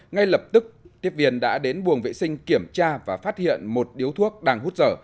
ngay lập tức tiếp viên đã đến buồng vệ sinh kiểm tra và phát hiện một điếu thuốc đang hút dở